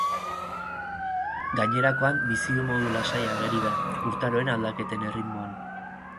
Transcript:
Gainerakoan, bizimodu lasaia ageri da, urtaroen aldaketen erritmoan.